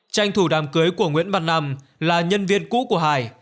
tranh thủ đàm cưới của nguyễn văn nam là nhân viên cũ của hải